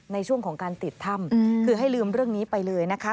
ในช่วงของการติดถ้ำคือให้ลืมเรื่องนี้ไปเลยนะคะ